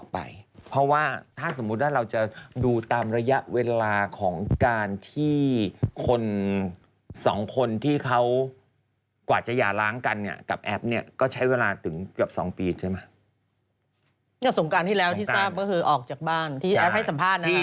ปีได้ไหมน่าจะประมาณปีน่าจะประมาณ๑ปีนะฮะนะฮะแอปเดี๋ยวก่อนนะผมไล่ให้